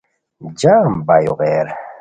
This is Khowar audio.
جم با یو غیر